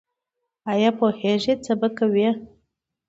ایا پرهیز به کوئ؟